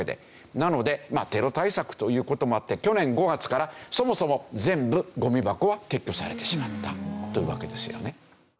なのでテロ対策という事もあって去年５月からそもそも全部ゴミ箱は撤去されてしまったというわけですよね。